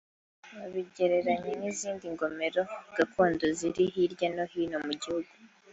wabigereranya nk’izindi ngomero gakondo ziri hirya no hino mu gihugu